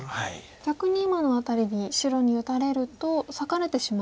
逆に今の辺りに白に打たれると裂かれてしまうと。